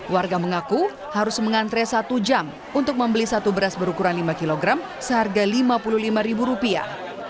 warga mengaku harus mengantre satu jam untuk membeli satu beras berukuran lima kg seharga lima puluh lima ribu rupiah